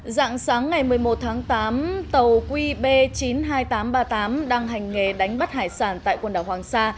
dạng sáng ngày một mươi một tháng tám tàu qb chín mươi hai nghìn tám trăm ba mươi tám đang hành nghề đánh bắt hải sản tại quần đảo hoàng sa